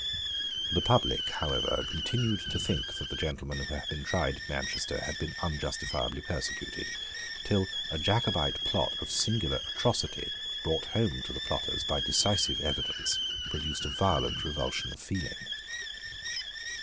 The public however continued to think that the gentlemen who had been tried at Manchester had been unjustifiably persecuted, till a Jacobite plot of singular atrocity, brought home to the plotters by decisive evidence, produced a violent revulsion of feeling.